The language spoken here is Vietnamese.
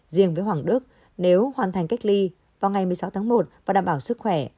riêng với hoàng đức nếu hoàn thành cách ly vào ngày một mươi sáu tháng một và đảm bảo sức khỏe